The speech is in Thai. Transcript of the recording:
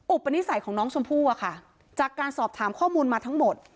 ปนิสัยของน้องชมพู่อะค่ะจากการสอบถามข้อมูลมาทั้งหมด